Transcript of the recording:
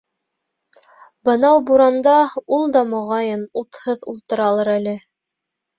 Бынау буранда ул да, моғайын, утһыҙ ултыралыр әле.